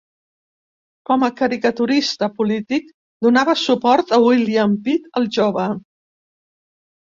Com a caricaturista polític donava suport a William Pitt "El Jove".